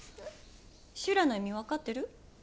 修羅の意味分かってる？